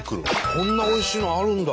こんなおいしいのあるんだ。